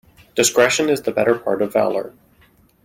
Discretion is the better part of valour.